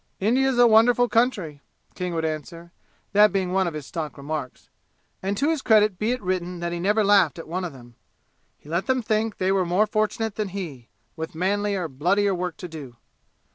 "India's a wonderful country," King would answer, that being one of his stock remarks. And to his credit be it written that he never laughed at one of them. He let them think they were more fortunate than he, with manlier, bloodier work to do.